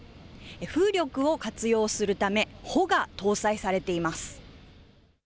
風力を活用するため、帆が搭載されています。